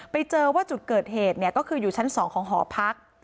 ไปเจอว่าจุดเกิดเหตุก็คืออยู่ชั้น๒ของหอพัก